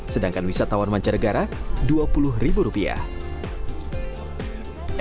sedangkan wisatawan mancar negara dua puluh rupiah